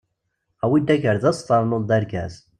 Awi-d agerdas ternuḍ-d argaz!